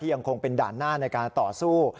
ยังคงเป็นด่านหน้าในการต่อสู้